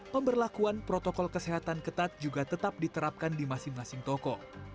pemberlakuan protokol kesehatan ketat juga tetap diterapkan di masing masing toko